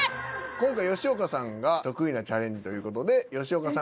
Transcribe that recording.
今回吉岡さんが得意なチャレンジという事で。